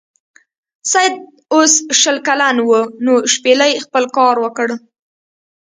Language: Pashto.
سید اوس شل کلن و نو شپیلۍ خپل کار وکړ.